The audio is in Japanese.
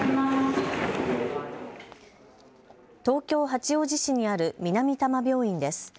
東京八王子市にある南多摩病院です。